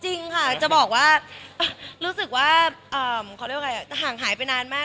จริงค่ะจะบอกว่ารู้สึกว่าห่างหายไปนานมาก